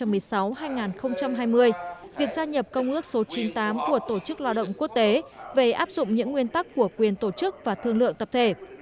việc gia nhập công ước số chín mươi tám của tổ chức lo động quốc tế về áp dụng những nguyên tắc của quyền tổ chức và thương lượng tập thể